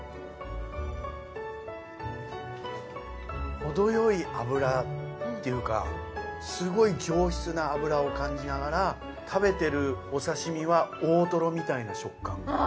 程よい脂っていうかすごい上質な脂を感じながら食べてるお刺し身は大トロみたいな食感。